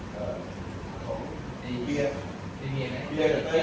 คุณพร้อมคุณพร้อมกับเต้ย